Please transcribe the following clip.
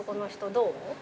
どう？